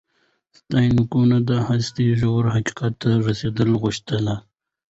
سانتیاګو د هستۍ ژور حقیقت ته رسیدل غوښتل.